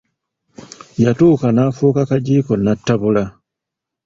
Yatuuka n'afuuka kagiiko nattabula.